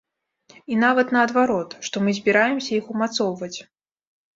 І нават наадварот, што мы збіраемся іх умацоўваць.